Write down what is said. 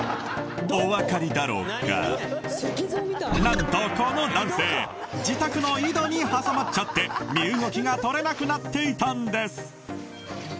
何とこの男性自宅の井戸に挟まっちゃって身動きがとれなくなっていたんです